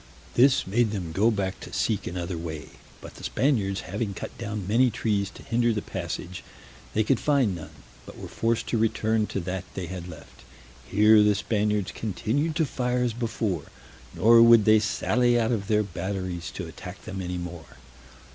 This made them go back to seek another way; but the Spaniards having cut down many trees to hinder the passage, they could find none, but were forced to return to that they had left. Here the Spaniards continued to fire as before, nor would they sally out of their batteries to attack them any more.